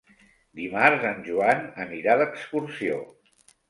Dimarts en Joan anirà d'excursió.